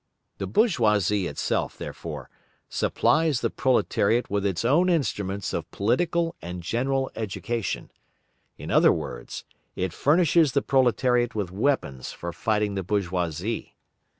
The bourgeoisie itself, therefore, supplies the proletariat with its own instruments of political and general education, in other words, it furnishes the proletariat with weapons for fighting the bourgeoisie.